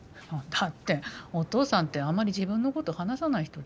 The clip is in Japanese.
だってお父さんってあんまり自分のこと話さない人じゃん。